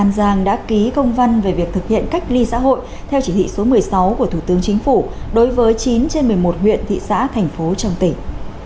an giang đã ký công văn về việc thực hiện cách ly xã hội theo chỉ thị số một mươi sáu của thủ tướng chính phủ đối với chín trên một mươi một huyện thị xã thành phố trong tỉnh